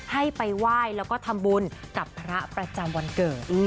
ให้ไปไหว้แล้วก็ทำบุญกับพระประจำวันเกิด